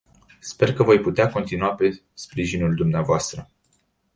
Sper că voi putea conta pe sprijinul dumneavoastră.